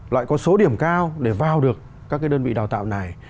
lại có số điểm cao để vào được các cái đơn vị đào tạo này